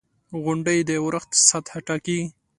• غونډۍ د اورښت سطحه ټاکي.